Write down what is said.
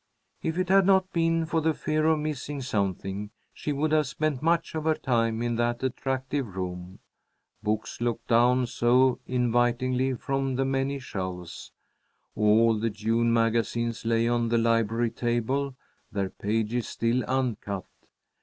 If it had not been for the fear of missing something, she would have spent much of her time in that attractive room. Books looked down so invitingly from the many shelves. All the June magazines lay on the library table, their pages still uncut.